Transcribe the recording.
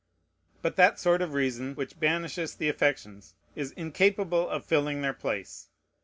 But that sort of reason which banishes the affections is incapable of filling their place.